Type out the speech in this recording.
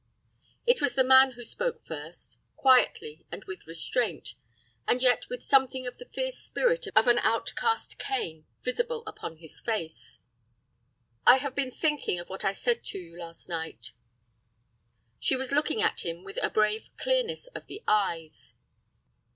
It was the man who spoke first, quietly, and with restraint, and yet with something of the fierce spirit of an outcast Cain visible upon his face. "I have been thinking of what I said to you last night." She was looking at him with a brave clearness of the eyes.